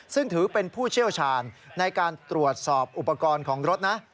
ซึ่งถือเป็นผู้เชี่ยวชาญในการตรวจสอบอุปกรณ์ของรถนะ